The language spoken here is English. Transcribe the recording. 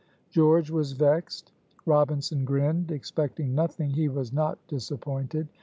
George was vexed. Robinson grinned; expecting nothing, he was not disappointed.